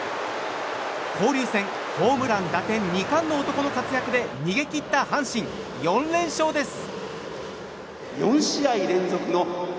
交流戦ホームラン、打点２冠の男の活躍で逃げ切った阪神、４連勝です！